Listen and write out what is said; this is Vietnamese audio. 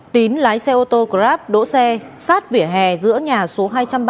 tín lái xe ô tô grab đỗ xe sát vỉa hè giữa nhà số hai trăm ba mươi